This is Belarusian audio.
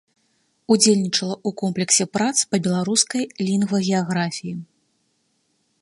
Удзельнічала ў комплексе прац па беларускай лінгвагеаграфіі.